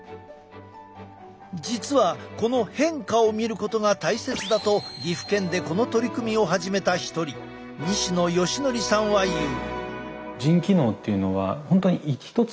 実はこの変化を見ることが大切だと岐阜県でこの取り組みを始めた一人西野好則さんは言う。